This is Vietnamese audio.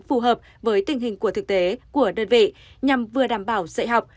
phù hợp với tình hình của thực tế của đơn vị nhằm vừa đảm bảo dạy học